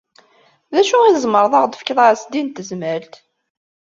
D acu i tzemreḍ ad ɣ-d-tefkeḍ a Ɛezdin n Tezmalt?